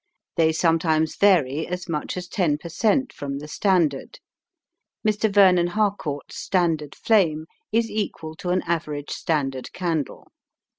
They sometimes vary as much as 10 per cent, from the standard. Mr. Vernon Harcourt's standard flame is equal to an average standard candle.